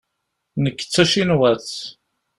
Nekk d tacinwatt.